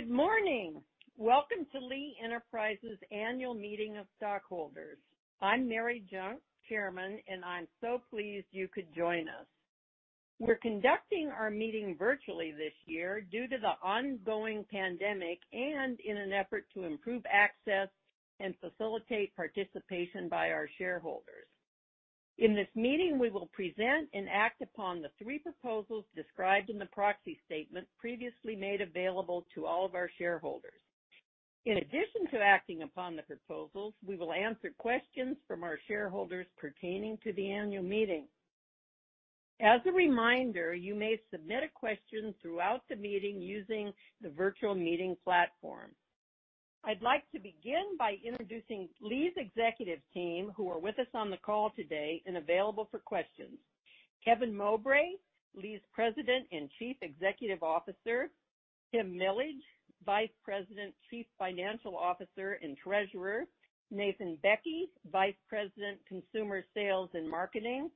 Good morning. Welcome to Lee Enterprises annual meeting of stockholders. I'm Mary Junck, chairman, and I'm so pleased you could join us. We're conducting our meeting virtually this year due to the ongoing pandemic and in an effort to improve access and facilitate participation by our shareholders. In this meeting, we will present and act upon the three proposals described in the proxy statement previously made available to all of our shareholders. In addition to acting upon the proposals, we will answer questions from our shareholders pertaining to the annual meeting. As a reminder, you may submit a question throughout the meeting using the virtual meeting platform. I'd like to begin by introducing Lee's executive team who are with us on the call today and available for questions. Kevin Mowbray, Lee's President and Chief Executive Officer. Tim Millage, Vice President, Chief Financial Officer and Treasurer. Nathan Bekke, Vice President, Consumer Sales and Marketing.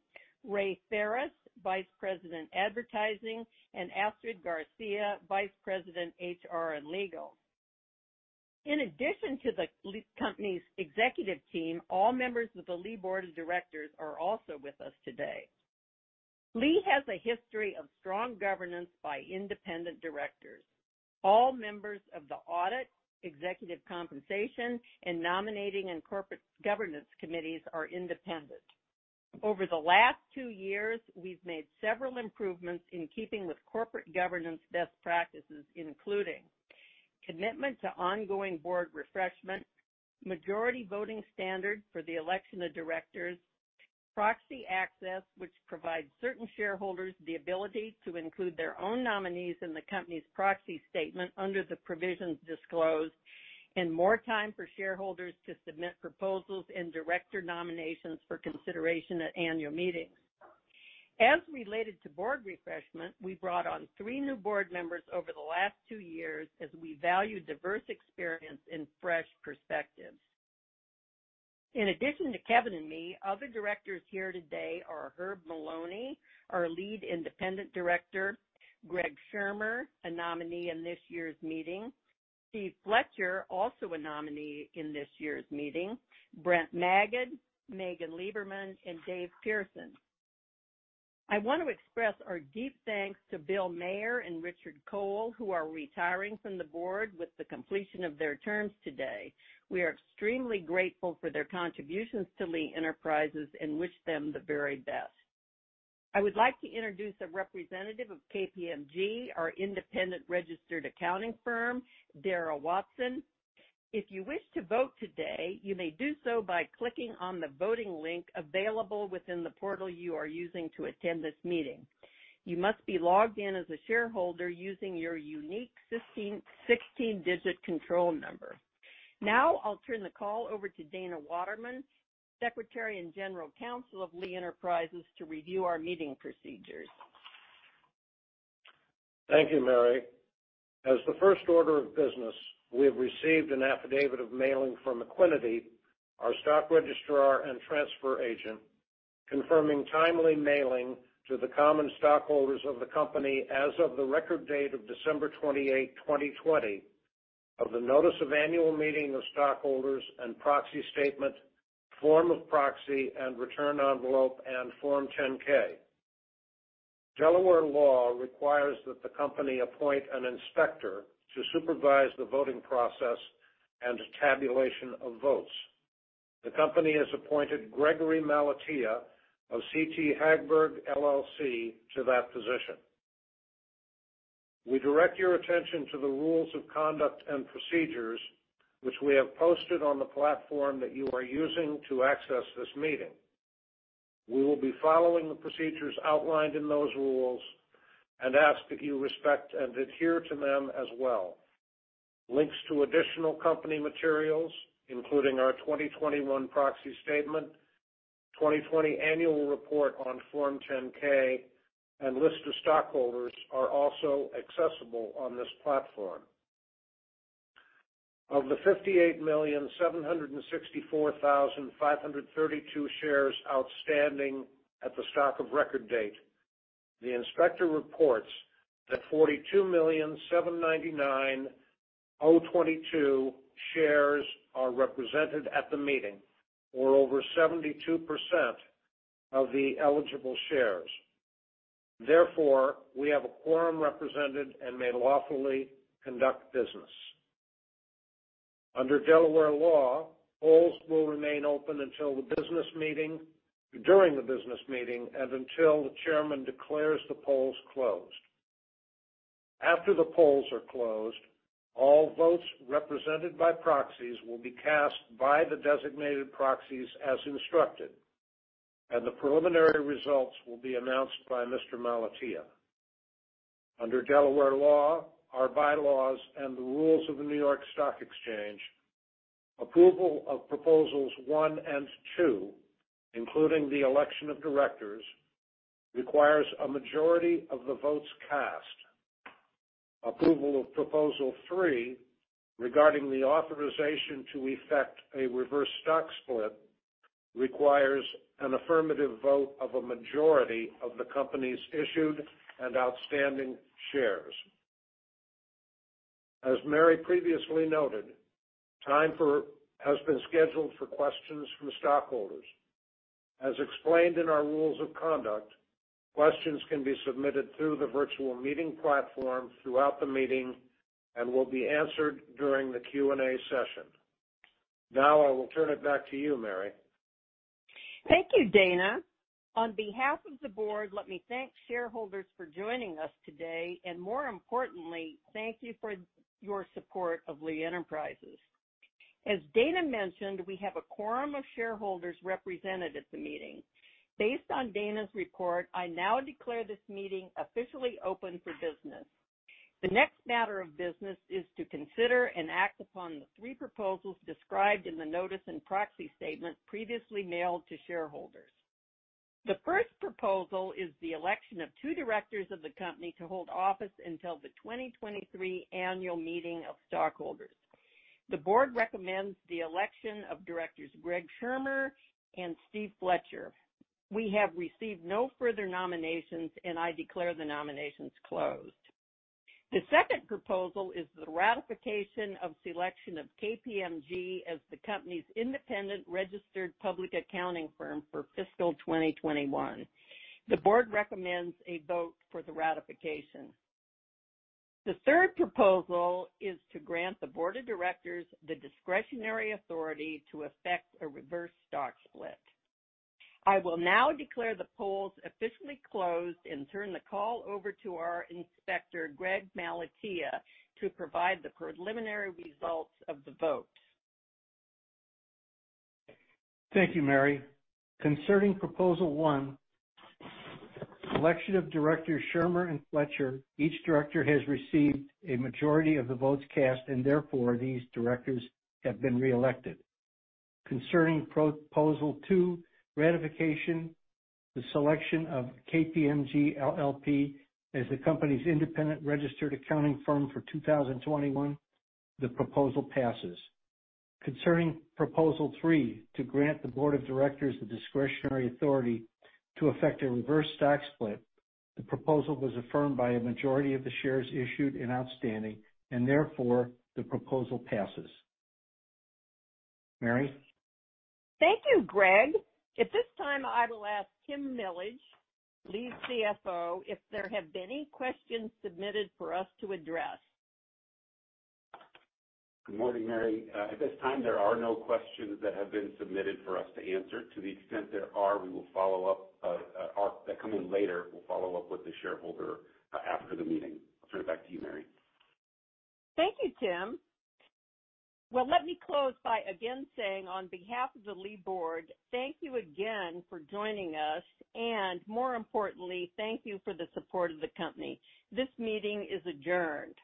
Ray Farris, Vice President, Advertising. Astrid Garcia, Vice President, HR and Legal. In addition to the Lee Enterprises' executive team, all members of the Lee Board of Directors are also with us today. Lee has a history of strong governance by independent directors. All members of the Audit, Executive Compensation and Nominating and Corporate Governance Committees are independent. Over the last two years, we've made several improvements in keeping with corporate governance best practices, including commitment to ongoing board refreshment, majority voting standard for the election of directors, proxy access, which provides certain shareholders the ability to include their own nominees in the company's proxy statement under the provisions disclosed and more time for shareholders to submit proposals and director nominations for consideration at annual meetings. As related to board refreshment, we brought on three new board members over the last two years as we value diverse experience and fresh perspectives. In addition to Kevin and me, other directors here today are Herb Moloney, our Lead Independent Director, Greg Schermer, a nominee in this year's meeting, Steve Fletcher, also a nominee in this year's meeting, Brent Magid, Megan Liberman and Dave Pearson. I want to express our deep thanks to Bill Mayer and Richard Cole, who are retiring from the board with the completion of their terms today. We are extremely grateful for their contributions to Lee Enterprises and wish them the very best. I would like to introduce a representative of KPMG, our independent registered accounting firm, Darrell Watson. If you wish to vote today, you may do so by clicking on the voting link available within the portal you are using to attend this meeting. You must be logged in as a shareholder using your unique 16-digit control number. I'll turn the call over to Dana Waterman, Secretary and General Counsel of Lee Enterprises, to review our meeting procedures. Thank you, Mary. As the first order of business, we have received an affidavit of mailing from Equiniti, our stock registrar and transfer agent, confirming timely mailing to the common stockholders of the company as of the record date of December 28, 2020, of the notice of annual meeting of stockholders and proxy statement, form of proxy and return envelope, and Form 10-K. Delaware law requires that the company appoint an inspector to supervise the voting process and tabulation of votes. The company has appointed Gregory Malatia of CT Hagberg LLC to that position. We direct your attention to the rules of conduct and procedures, which we have posted on the platform that you are using to access this meeting. We will be following the procedures outlined in those rules and ask that you respect and adhere to them as well. Links to additional company materials, including our 2021 proxy statement, 2020 annual report on Form 10-K, and list of stockholders are also accessible on this platform. Of the 58,764,532 shares outstanding at the stock of record date, the inspector reports that 42,799,022 shares are represented at the meeting or over 72% of the eligible shares. Therefore, we have a quorum represented and may lawfully conduct business. Under Delaware law, polls will remain open during the business meeting and until the chairman declares the polls closed. After the polls are closed, all votes represented by proxies will be cast by the designated proxies as instructed, and the preliminary results will be announced by Mr. Malatia. Under Delaware law, our bylaws, and the rules of the New York Stock Exchange, approval of proposals one and two, including the election of directors, requires a majority of the votes cast. Approval of proposal three, regarding the authorization to effect a reverse stock split requires an affirmative vote of a majority of the company's issued and outstanding shares. As Mary previously noted, time has been scheduled for questions from stockholders. As explained in our rules of conduct, questions can be submitted through the virtual meeting platform throughout the meeting and will be answered during the Q&A session. Now I will turn it back to you, Mary. Thank you, Dana. On behalf of the board, let me thank shareholders for joining us today and more importantly, thank you for your support of Lee Enterprises. As Dana mentioned, we have a quorum of shareholders represented at the meeting. Based on Dana's report, I now declare this meeting officially open for business. The next matter of business is to consider and act upon the three proposals described in the notice and proxy statement previously mailed to shareholders. The first proposal is the election of two directors of the company to hold office until the 2023 annual meeting of stockholders. The board recommends the election of directors Greg Schermer and Steve Fletcher. We have received no further nominations, and I declare the nominations closed. The second proposal is the ratification of selection of KPMG as the company's independent registered public accounting firm for fiscal 2021. The board recommends a vote for the ratification. The third proposal is to grant the board of directors the discretionary authority to effect a reverse stock split. I will now declare the polls officially closed and turn the call over to our inspector, Greg Malatia, to provide the preliminary results of the vote. Thank you, Mary. Concerning proposal one, election of Directors Schermer and Fletcher, each director has received a majority of the votes cast, and therefore, these directors have been reelected. Concerning proposal two, ratification, the selection of KPMG LLP as the company's independent registered accounting firm for 2021, the proposal passes. Concerning proposal three, to grant the board of directors the discretionary authority to effect a reverse stock split, the proposal was affirmed by a majority of the shares issued and outstanding and therefore, the proposal passes. Mary? Thank you, Greg. At this time, I will ask Tim Millage, Lee's CFO, if there have been any questions submitted for us to address. Good morning, Mary. At this time, there are no questions that have been submitted for us to answer. To the extent there are that come in later, we'll follow up with the shareholder after the meeting. I'll turn it back to you, Mary. Thank you, Tim. Well, let me close by again saying on behalf of the Lee board, thank you again for joining us and more importantly, thank you for the support of the company. This meeting is adjourned.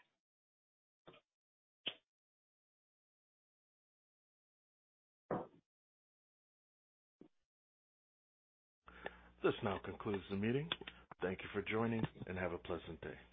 This now concludes the meeting. Thank you for joining and have a pleasant day.